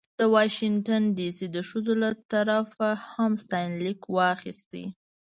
د واشنګټن ډې سي د ښځو له طرفه هم ستاینلیک واخیست.